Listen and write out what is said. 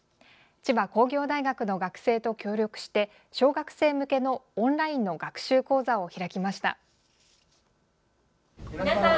千葉工業大学の学生と協力して小学生向けのオンラインの学習講座を開きました。